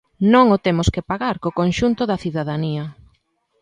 ¡Non o temos que pagar o conxunto da cidadanía!